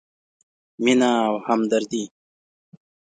مینه او همدردي: